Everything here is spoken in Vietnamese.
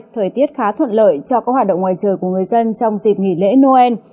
thời tiết khá thuận lợi cho các hoạt động ngoài trời của người dân trong dịp nghỉ lễ noel